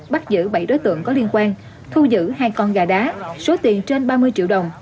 bắt giữ bảy đối tượng có liên quan thu giữ hai con gà đá số tiền trên ba mươi triệu đồng